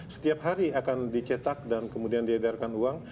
setiap hari akan dicetak dan kemudian diedarkan uang